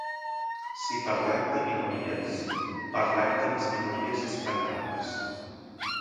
Si parlem de minories, parlem de les minories espanyoles.